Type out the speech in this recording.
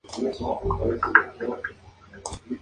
Estuvo casado con Louise Parkinson y tuvo dos hijos.